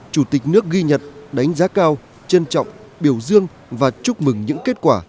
chủ tịch nước ghi nhận đánh giá cao trân trọng biểu dương và chúc mừng những kết quả